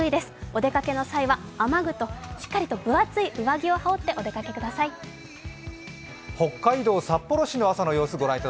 お出かけの際は雨具と、しっかりと分厚い上着を羽織ってお出かけください。